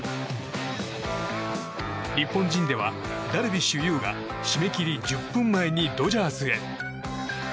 日本人ではダルビッシュ有が締め切り１０分前にドジャースへ。